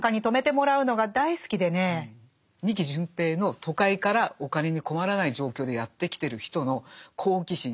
仁木順平の都会からお金に困らない状況でやって来てる人の好奇心。